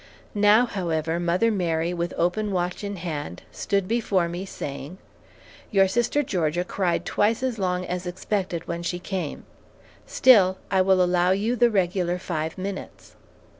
Now, however, Mother Mary, with open watch in hand, stood before me, saying, "Your sister Georgia cried twice as long as expected when she came; still I will allow you the regular five minutes."